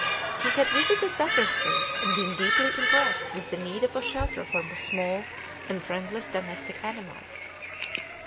He had visited Battersea, and been deeply impressed with the need of a shelter for small and friendless domestic animals.